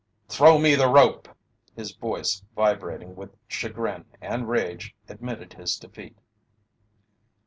"Throw me the rope!" His voice vibrating with chagrin and rage admitted his defeat.